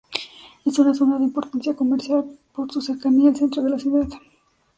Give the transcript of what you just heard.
Es una zona de importancia comercial por su cercanía al centro de la ciudad.